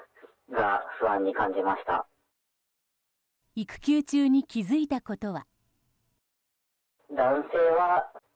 育休中に気づいたことは。